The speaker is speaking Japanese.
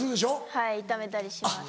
はい痛めたりします。